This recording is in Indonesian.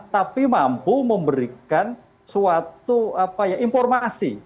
tapi mampu memberikan suatu informasi